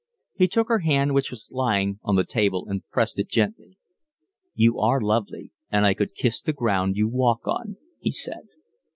He took her hand, which was lying on the table, and pressed it gently. "You are lovely, and I could kiss the ground you walk on," he said.